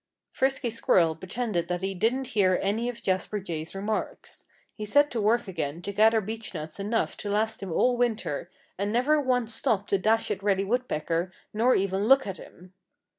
Frisky Squirrel pretended that he didn't hear any of Jasper Jay's remarks. He set to work again to gather beechnuts enough to last him all winter and never once stopped to dash at Reddy Woodpecker nor even look at him.